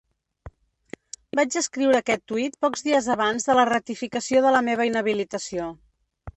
Vaig escriure aquest tuit pocs dies abans de la ratificació de la meva inhabilitació.